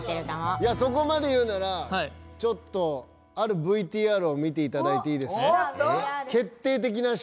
そこまで言うならちょっとあるＶＴＲを見ていただいていいですか？